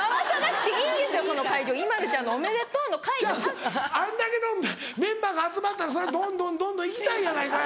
ちゃうあんだけのメンバーが集まったらそりゃどんどんどんどん行きたいやないかい！